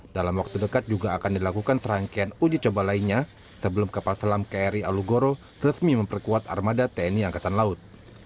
dalam waktu dekat juga akan dilakukan serangkaian uji coba lainnya sebelum kapal selam kri alugoro resmi memperkuat armada tni angkatan laut